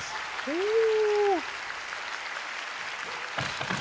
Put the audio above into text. ほう。